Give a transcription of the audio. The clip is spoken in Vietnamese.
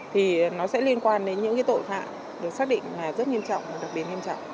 thì nó sẽ liên quan đến những tội phạm được xác định rất nghiêm trọng đặc biệt nghiêm trọng